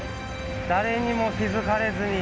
誰にも気付かれずに。